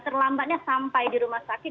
terlambatnya sampai di rumah sakit